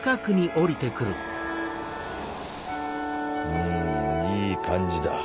うんいい感じだ。